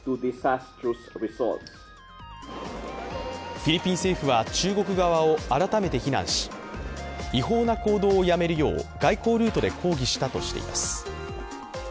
フィリピン政府は中国側を改めて非難し、違法な行動をやめるよう外交ルートで抗議したとしています。